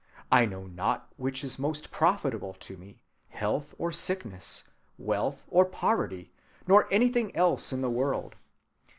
I know not which is most profitable to me, health or sickness, wealth or poverty, nor anything else in the world.